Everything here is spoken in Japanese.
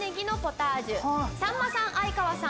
さんまさん相川さん